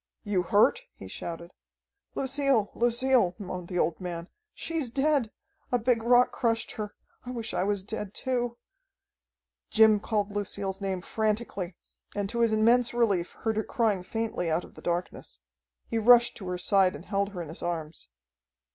"You hurt?" he shouted. "Lucille, Lucille," moaned the old man. "She's dead! A big rock crushed her. I wish I was dead too." Jim called Lucille's name frantically, and to his immense relief heard her crying faintly out of the darkness. He rushed to her side and held her in his arms.